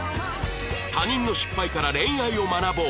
他人の失敗から恋愛を学ぼう